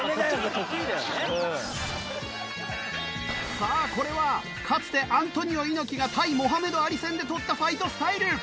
さあこれはかつてアントニオ猪木が対モハメド・アリ戦で取ったファイトスタイル。